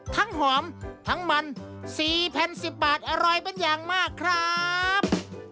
หอมทั้งมัน๔๐๑๐บาทอร่อยเป็นอย่างมากครับ